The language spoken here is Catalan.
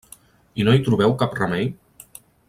I no hi trobeu cap remei?